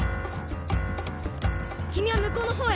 君はむこうの方へ。